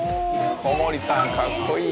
小森さんかっこいい。